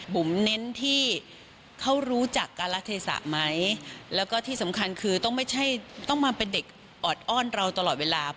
บุ๋มเน้นที่เขารู้จักการละเทศะไหมแล้วก็ที่สำคัญคือต้องไม่ใช่ต้องมาเป็นเด็กออดอ้อนเราตลอดเวลา